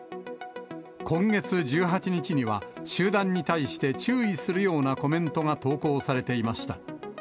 今月１８日には、集団に対して注意するようなコメントが投稿されていました。